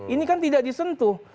ini kan tidak disentuh